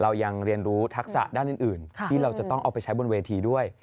เรายังเรียนรู้ทักษะด้านอื่นที่เราจะต้องเอาไปใช้บนเวทีด้วย